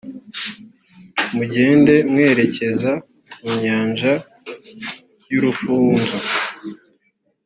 mugende mwerekeza ku nyanja y’urufunzo.